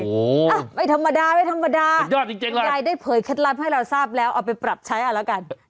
โอ้โหไม่ธรรมดาไม่ธรรมดายายได้เผยเคล็ดลับให้เราทราบแล้วเอาไปปรับใช้อ่ะแล้วกัน